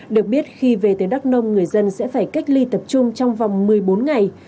được biết khi về tới đắk nông người dân sẽ phải cách ly tập trung trong vòng một mươi bốn ngày